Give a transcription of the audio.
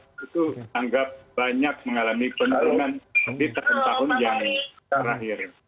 itu anggap banyak mengalami penurunan di tahun tahun yang terakhir